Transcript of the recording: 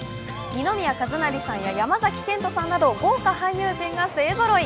二宮和也さんや山崎賢人さんなど、豪華俳優陣が勢ぞろい。